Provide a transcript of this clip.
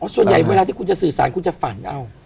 ส่วนใหญ่เวลาที่คุณจะสื่อสารคุณจะฝันเอา